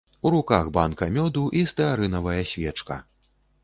У руках банка мёду і стэарынавая свечка.